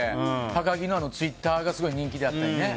高木のツイッターがすごい人気でね。